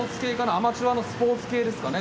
アマチュアのスポーツ系ですかね。